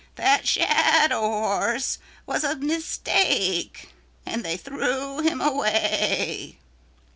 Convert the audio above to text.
That shadow horse was a mistake and they threw him away.